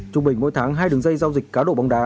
trung bình mỗi tháng hai đường dây giao dịch cá độ bóng đá